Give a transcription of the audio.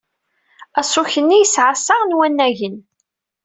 Aṣuk-nni yesɛa sa n wannagen.